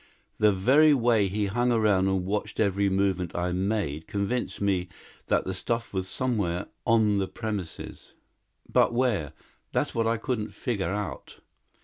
The very way he hung around and watched every movement I made convinced me that the stuff was somewhere on the premises. But where? That's what I couldn't figure out.